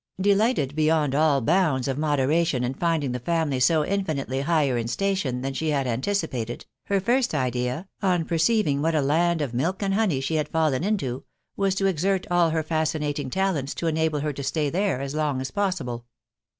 Delighted beyond all bounds of moderation in finding the family so infinitely higher in station than she had anticipated, her first idea, on perceiving what a land of milk and honey she had fallen into, was to exert all her fascinating talents to enable her to stay there as long as possible.